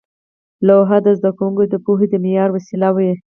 لوحې د زده کوونکو د پوهې د معیار وسیله وې.